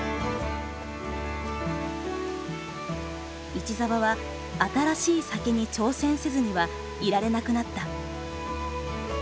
市澤は新しい酒に挑戦せずにはいられなくなった。